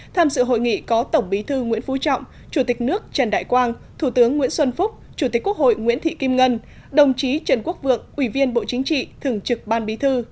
tham dự hội nghị có tổng bí thư nguyễn phú trọng chủ tịch nước trần đại quang thủ tướng nguyễn xuân phúc chủ tịch quốc hội nguyễn thị kim ngân đồng chí trần quốc vượng ủy viên bộ chính trị thường trực ban bí thư